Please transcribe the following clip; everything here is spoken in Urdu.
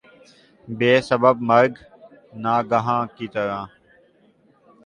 بے سبب مرگ ناگہاں کی طرح